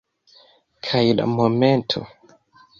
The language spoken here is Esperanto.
Kaj la momento